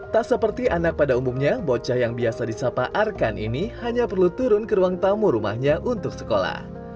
tak seperti anak pada umumnya bocah yang biasa disapa arkan ini hanya perlu turun ke ruang tamu rumahnya untuk sekolah